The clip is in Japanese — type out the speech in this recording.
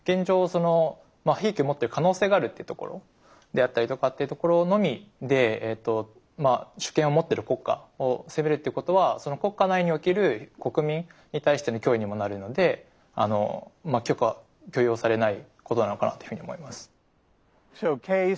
その兵器を持ってる可能性があるっていうところであったりとかっていうところのみで主権を持ってる国家を攻めるっていうことはその国家内における国民に対しての脅威にもなるので許可許容されないことなのかなというふうに思います。